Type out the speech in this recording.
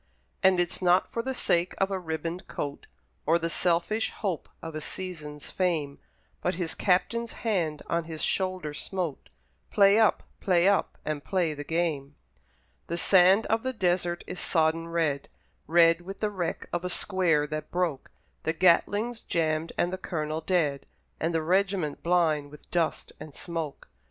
And it's not for the sake of a ribboned coat, Or the selfish hope of a season's fame, But his Captain's hand on his shoulder smote "Play up! play up! and play the game!" The sand of the desert is sodden red, Red with the wreck of a square that broke; The Gatling's jammed and the Colonel dead, And the regiment blind with dust and smoke.